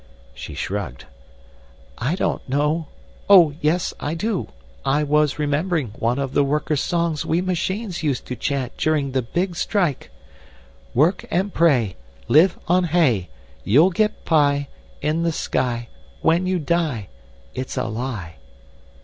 She shrugged. "I don't know oh, yes, I do. I was remembering one of the workers' songs we machines used to chant during the Big Strike "_Work and pray, Live on hay. You'll get pie In the sky When you die It's a lie!